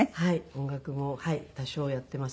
音楽も多少やっています。